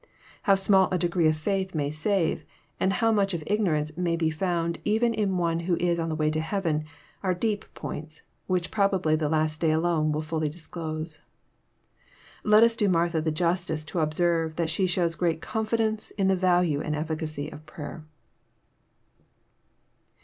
How small a degree of fkith may save, and how mnch of ignorance may be foand even in one who is on the way to heaven, are deep points which probably the last day alone will ftilly disclose. Let as do Martha the Justice to observe that she shows great confidence in the value and efficacy of prayer.